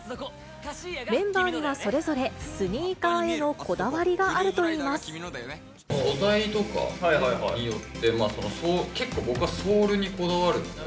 メンバーにはそれぞれスニーカーへのこだわりがあるといいま素材とかによって、結構、僕はソールにこだわる。